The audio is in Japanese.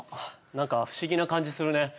なんか不思議な感じするね。